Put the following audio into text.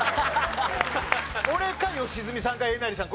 俺か良純さんかえなりさん。